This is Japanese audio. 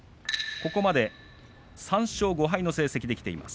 ここまで３勝５敗の成績です。